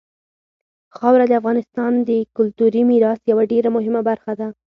خاوره د افغانستان د کلتوري میراث یوه ډېره مهمه برخه ده.